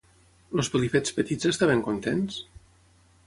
Els Pelifets petits estaven contents?